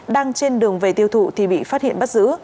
đang trên đường về tiêu thụ thì bị phát hiện bắt giữ